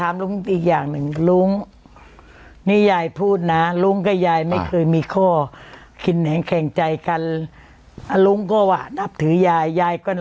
มันติดไปไม่ได้เลย